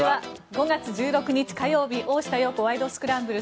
５月１６日、火曜日「大下容子ワイド！スクランブル」。